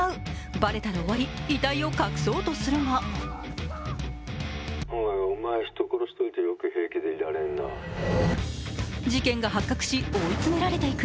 バレたり終わり、遺体を隠そうとするが事件が発覚し、追い詰められていく。